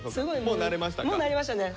もう慣れましたね。